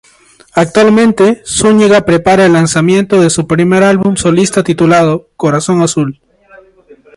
Actualmente Zuñiga prepara el lanzamiento de su primer álbum solista titulado "Corazón Azul".